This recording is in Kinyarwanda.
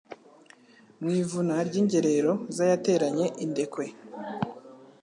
Mu ivuna ry' ingerero Zayateranye indekwe